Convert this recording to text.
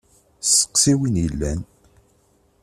Steqsi win yellan!